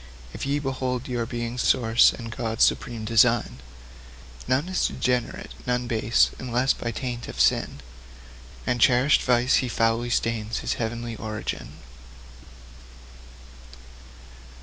If ye behold your being's source, and God's supreme design, None is degenerate, none base, unless by taint of sin And cherished vice he foully stain his heavenly origin.